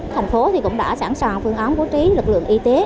thành phố cũng đã sẵn sàng phương án bố trí lực lượng y tế